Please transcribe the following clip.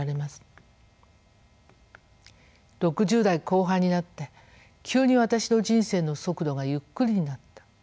６０代後半になって急に私の人生の速度がゆっくりになった。